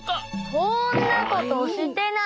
そんなことしてない！